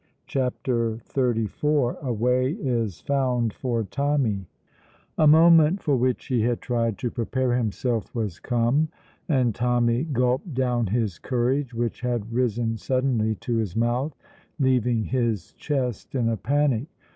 CHAPTER XXXIV A WAY IS FOUND FOR TOMMY The moment for which he had tried to prepare himself was come, and Tommy gulped down his courage, which had risen suddenly to his mouth, leaving his chest in a panic.